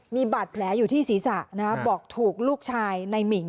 มีบัตรแผลอยู่ที่ศีรษะนะคะบอกถูกลูกชายนายหมิง